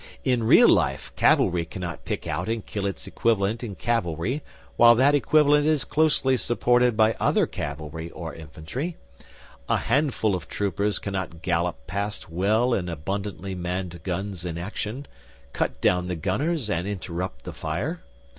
In real life cavalry cannot pick out and kill its equivalent in cavalry while that equivalent is closely supported by other cavalry or infantry; a handful of troopers cannot gallop past well and abundantly manned guns in action, cut down the gunners and interrupt the fire.